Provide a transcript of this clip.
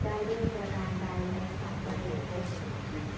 ได้ด้วยประการใดในปรับประโยชน์